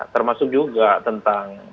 termasuk juga tentang